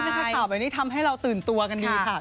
แต่ชอบนะครับอันนี้ทำให้เราตื่นตัวกันดีค่ะ